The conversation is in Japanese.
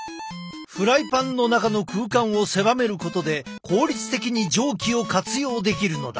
フライパンの中の空間を狭めることで効率的に蒸気を活用できるのだ。